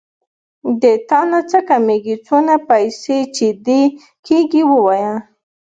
د تانه څه کمېږي څونه پيسې چې دې کېږي ووايه.